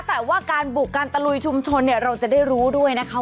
แต่ว่าการบุกการตะลุยชุมชนเนี่ยเราจะได้รู้ด้วยนะคะ